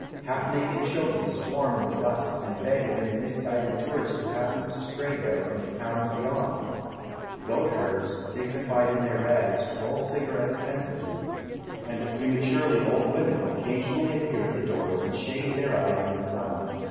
Half naked children swarm in the dust, and beg of any misguided tourist who happens to stray there from the towns beyond ; goatherds, dignified in their rags, roll cigarettes pensively, and prematurely old women occasionally appear at the doors and shade their eyes in the sun.